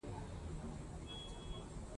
بل د اور له بلېدلو مانا ورکوي.